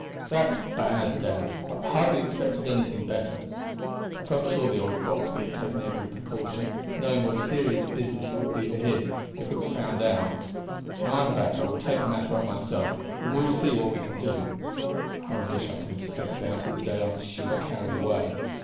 "That's bad, Dan; but I hardly expected anything better. I felt sure the old fox would have taken every precaution, knowing what a serious business it would be for him if it were found out. Now I am back I will take the matter up myself, and we will see what we can do. I wish I could have set about it the day after she was carried away.